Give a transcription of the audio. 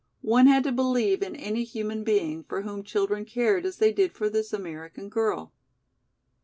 One had to believe in any human being for whom children cared as they did for this American girl.